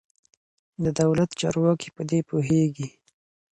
د دولت چارواکي په دې پوهېږي.